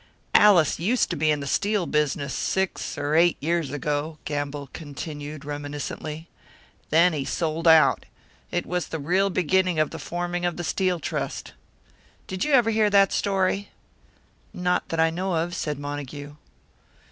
"Allis used to be in the steel business six or eight years ago," Gamble continued, reminiscently. "Then he sold out it was the real beginning of the forming of the Steel Trust. Did you ever hear that story?" "Not that I know of," said Montague.